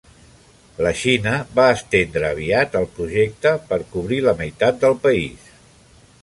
La Xina va estendre aviat el projecte per cobrir la meitat del país.